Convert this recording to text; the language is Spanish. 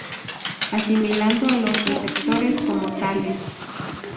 asimilando a los receptores como tales